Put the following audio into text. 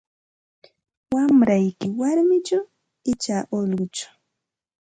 Wamrayki warmichu icha ullquchu?